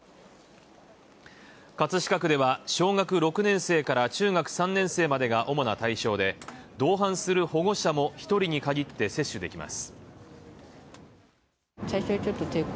葛飾区では小学６年生から中学３年生までが主な対象で、同伴する保護者も１人に限って接種できます。